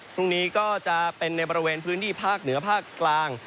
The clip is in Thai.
พรุ่งนี้ก็จะเป็นในบริเวณพื้นที่ภาคเหนือภาคกลาง